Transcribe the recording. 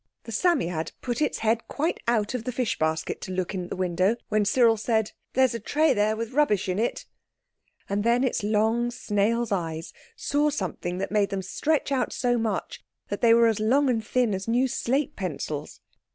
The Psammead put its head quite out of the fish basket to look in the window, when Cyril said— "There's a tray there with rubbish in it." And then its long snail's eyes saw something that made them stretch out so much that they were as long and thin as new slate pencils.